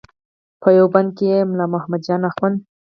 په یوه بند کې یې ملا محمد جان اخوند.